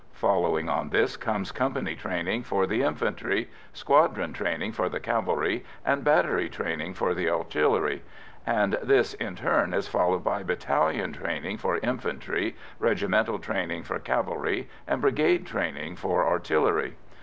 Following on this comes company training for the infantry, squadron training for the cavalry, and battery training for the artillery, and this in turn is followed by battalion training for infantry, regimental training for cavalry, and brigade training for artillery.